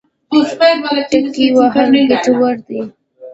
ټکی وهل ګټور دی.